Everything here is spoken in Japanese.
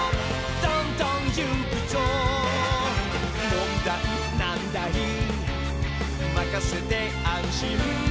「もんだい、なんだい、まかせて安心」